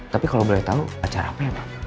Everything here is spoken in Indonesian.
tapi kalo boleh tau acara apa ya bapak